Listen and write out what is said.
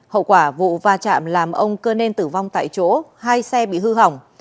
hậu quả vụ va chạm làm ông cơ nên tử vong tại chỗ hai xe bị hư hỏng